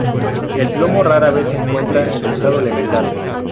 El plomo rara vez se encuentra en su estado elemental.